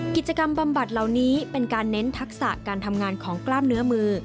บำบัดเหล่านี้เป็นการเน้นทักษะการทำงานของกล้ามเนื้อมือ